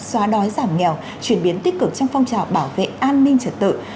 xóa đói giảm nghèo chuyển biến tích cực trong phong trào bảo vệ an ninh trật tự